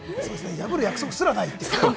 破る約束すらないっていうね。